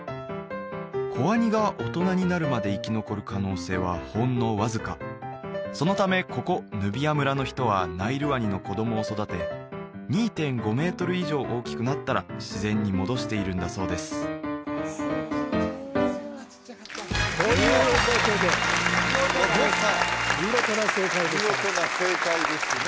子ワニが大人になるまで生き残る可能性はほんのわずかそのためここヌビア村の人はナイルワニの子供を育て２．５メートル以上大きくなったら自然に戻しているんだそうですということで見事な正解でした見事な正解ですね